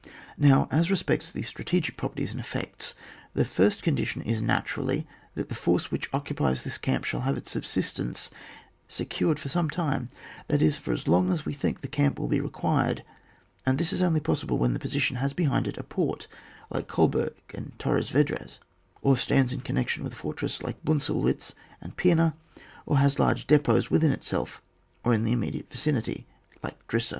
Now, as respects the strategic properties and effects. The first condition is natu* rally that the force which occupies this camp shall have its subsistence secured for some time, that is, for as long as we think the camp will be required, and this is only possible when liie position has behind it a port, like Oolberg and Torres Yedras, or stands in connection with a fortress like Bunzelwitz and Pima, or has large depots within it self or in the immediate vicinity, like Drissa.